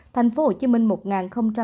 thành phố hồ chí minh một năm mươi chín ca